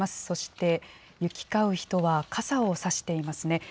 そして行き交う人は傘を差していますね。